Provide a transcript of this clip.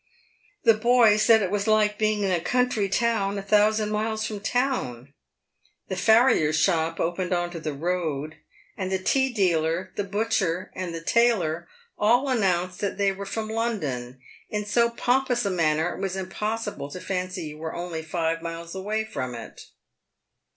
The boy said it was like being in a country town a thousand miles from town. The farrier's shop opened on to the road, and the tea dealer, the butcher, and the tailor all announced that they were from London in so pomp ous a manner, it was impossible to fancy you were only five miles away from it.